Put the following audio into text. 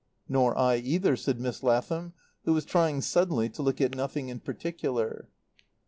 "Nor I, either," said Miss Lathom, who was trying suddenly to look at nothing in particular.